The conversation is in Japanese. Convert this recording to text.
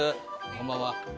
こんばんは。